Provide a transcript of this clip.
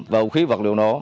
và vũ khí vật liệu nổ